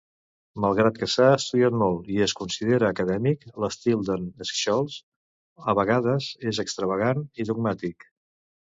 Malgrat que s"ha estudiat molt i es considera acadèmic, l"estil d"en Scholes a vegades era extravagant i dogmàtic.